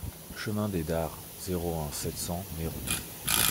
Chemin des Dares, zéro un, sept cents Neyron